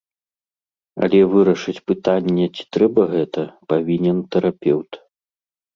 Але вырашыць пытанне, ці трэба гэта, павінен тэрапеўт.